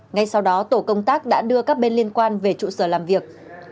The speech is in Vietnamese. ngay sau đó tổ công tác đã đưa các bên liên quan về trụ sở làm việc